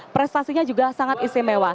prestasinya juga sangat istimewa